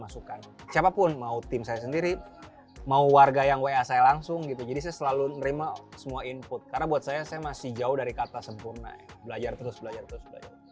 siapapun mau tim saya sendiri mau warga yang wa saya langsung gitu jadi saya selalu nerima semua input karena buat saya saya masih jauh dari kata sempurna belajar terus belajar terus belajar